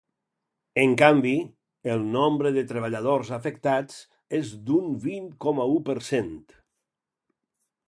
En canvi, el nombre de treballadors afectats és d’un vint coma u per cent.